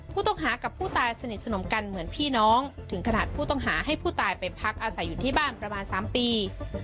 ผู้ต้องหากับผู้ตายสนิทสนมกันเหมือนพี่น้องถึงขนาดผู้ต้องหาให้ผู้ตายไปพักอาศัยอยู่ที่บ้านประมาณ๓ปี